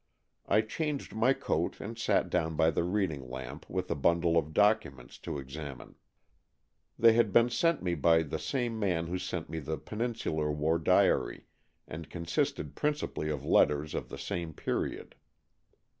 I changed my coat and sat down by the reading lamp with a bundle of documents to examine. They had been sent me by the same man who sent me the Peninsular War Diary, and consisted princi pally of letters of the same period.